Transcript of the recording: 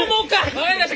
分かりました！